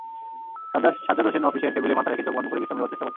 সাজ্জাদ হোসেন অফিসের টেবিলেই মাথা রেখে চোখ বন্ধ করে বিশ্রাম নেবার চেষ্টা করছেন।